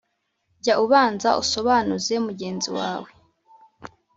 Jya ubanza usobanuze mugenzi wawe,